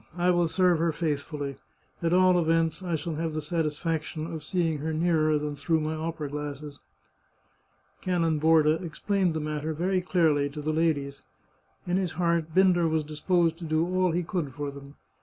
I will serve her faithfully. At all events, I shall have the satisfaction of seeing her nearer than through my opera glasses." Canon Borda explained the matter very clearly to the ladies. In his heart Binder was disposed to do all he could for them.